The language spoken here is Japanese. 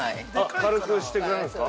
◆軽くしてくれるんですか。